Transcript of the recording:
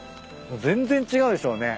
全然違うでしょうね